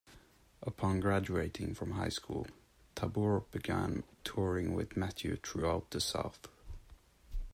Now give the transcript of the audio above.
Upon graduating from high school, Tabor began touring with Matthew throughout the south.